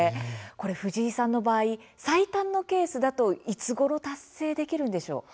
藤井さんの場合、最短のケースだと、いつごろ達成できるんでしょうか。